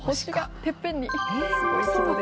てっぺんに。